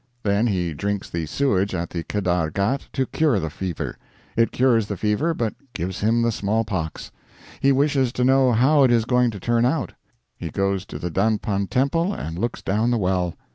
Then he drinks the sewage at the Kedar Ghat to cure the fever; it cures the fever but gives him the smallpox. He wishes to know how it is going to turn out; he goes to the Dandpan Temple and looks down the well.